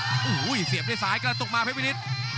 โอ้โหเสียบในซ้ายกำลังตกมาเพชรวินิต